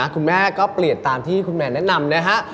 คุณแม่ก็เปลี่ยนตามที่คุณแมนแนะนำนะฮะ